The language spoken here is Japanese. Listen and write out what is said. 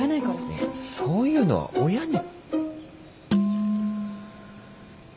いやそういうのは親に。